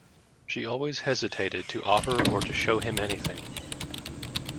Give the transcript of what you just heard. She always hesitated to offer or to show him anything.